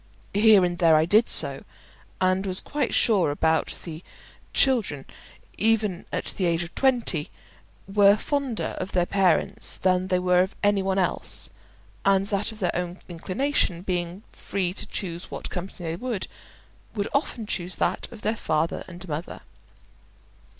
Here and there I did so, and was quite sure that the children, even at the age of twenty, were fonder of their parents than they were of any one else; and that of their own inclination, being free to choose what company they would, they would often choose that of their father and mother.